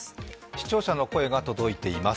視聴者の声が届いています。